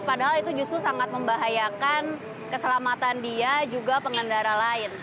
padahal itu justru sangat membahayakan keselamatan dia juga pengendara lain